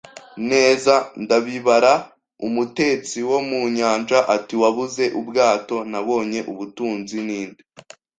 “Neza! Ndabibara. ”Umutetsi wo mu nyanja ati. “Wabuze ubwato; Nabonye ubutunzi. Ninde